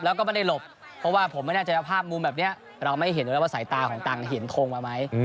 แล้วก็ไม่ได้หลบเพราะว่าผมไม่แน่ใจว่าภาพมุมแบบนี้เราไม่เห็นอยู่แล้วว่าสายตาของตังค์เห็นทงมาไหม